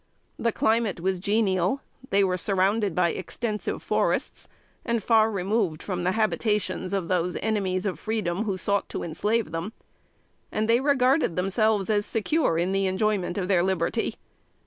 The climate was genial. They were surrounded by extensive forests, and far removed from the habitations of those enemies of freedom who sought to enslave them; and they regarded themselves as secure in the enjoyment of liberty.